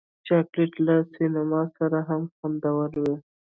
چاکلېټ له سینما سره هم خوندور وي.